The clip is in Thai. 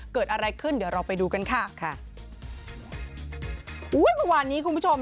เกิดอะไรขึ้นเดี๋ยวเราไปดูกันค่ะค่ะอุ้ยเมื่อวานนี้คุณผู้ชม